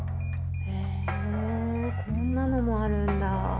へえこんなのもあるんだ。